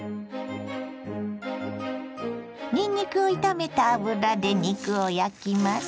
にんにくを炒めた油で肉を焼きます。